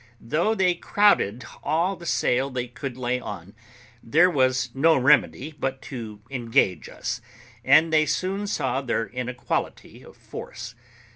Though they crowded all the sail they could lay on, there was no remedy but to engage us, and they soon saw their inequality of force.